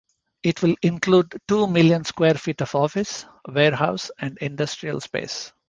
It will include two million square feet of office, warehouse, and industrial space.